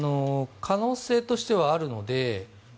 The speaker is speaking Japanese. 可能性としてはあります。